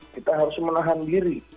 kita harus menahan diri